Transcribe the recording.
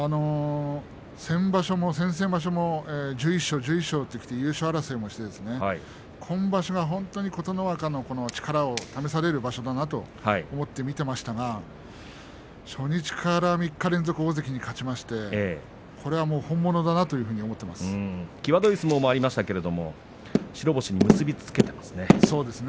先場所も、先々場所も１１勝１０勝ときて、優勝争いをして、今場所は、本当に琴ノ若の力を試される場所だなと思って見ていましたが初日から３日連続大関に勝ちまして際どい相撲もありましたが白星に結び付けていますね。